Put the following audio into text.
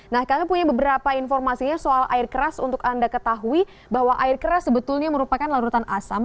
nah kami punya beberapa informasinya soal air keras untuk anda ketahui bahwa air keras sebetulnya merupakan larutan asam